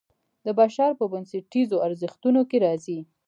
د بشر په بنسټیزو ارزښتونو کې راځي.